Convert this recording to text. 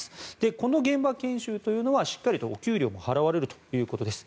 この現場研修というのはしっかりとお給料も払われるということです。